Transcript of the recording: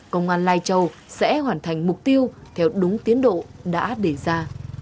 công an lai châu sẽ hoàn thành mục tiêu theo đúng tiến độ đã đề ra